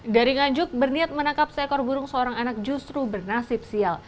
dari nganjuk berniat menangkap seekor burung seorang anak justru bernasib sial